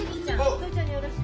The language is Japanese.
父ちゃんによろしく。